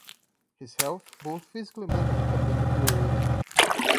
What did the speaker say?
His health, both physically and mentally, had been deteriorating.